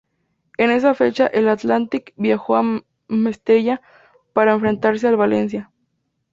En esa fecha, el Athletic viajó a Mestalla para enfrentarse al Valencia.